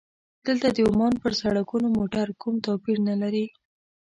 دلته د عمان پر سړکونو موټر کوم توپیر نه لري.